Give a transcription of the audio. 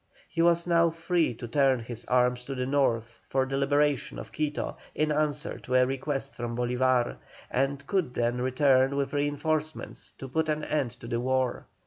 He was now free to turn his arms to the north for the liberation of Quito in answer to a request from Bolívar, and could then return with reinforcements to put an end to the war.